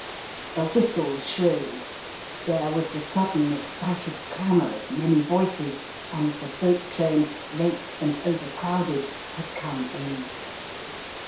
A whistle shrilled. There was the sudden excited clamour of many voices and the boat train, late and overcrowded, had come in!